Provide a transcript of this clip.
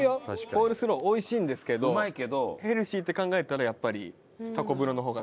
コールスロー美味しいんですけどヘルシーって考えたらやっぱりたこブロの方が。